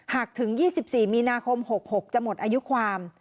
หักถึงยี่สิบสี่มีนาคมหกหกจะหมดอายุความ